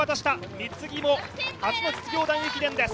三ツ木も実業団駅伝です。